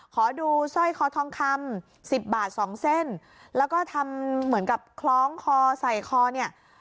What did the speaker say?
ขอดูสร้อยคอทองคำสิบบาทสองเส้นแล้วก็ทำเหมือนกับคล้องคอใส่คอเนี่ย